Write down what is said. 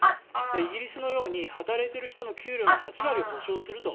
イギリスのように働いている人の給与の８割を補償すると。